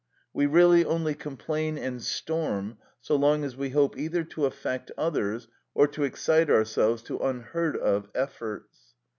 We really only complain and storm so long as we hope either to affect others or to excite ourselves to unheard of efforts.